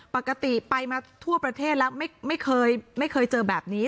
ปกติไปมาทั่วประเทศแล้วไม่เคยเจอแบบนี้